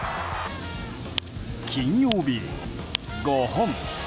金曜日、５本。